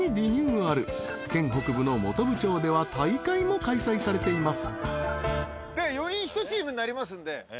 ［県北部の本部町では大会も開催されています］